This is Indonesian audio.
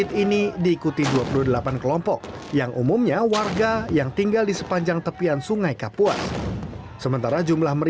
dan ada manfaatnya itu kita sedang sedang juga tidak masalah